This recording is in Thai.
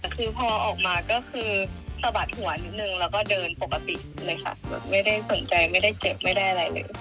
แต่คือพอออกมาก็คือสะบัดหัวนิดนึงแล้วก็เดินปกติเลยค่ะแบบไม่ได้สนใจไม่ได้เจ็บไม่ได้อะไรเลย